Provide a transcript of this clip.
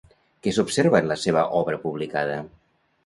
Què s'observa en la seva obra publicada?